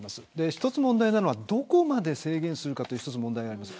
一つ問題なのは、どこまで制限するかというのがあります。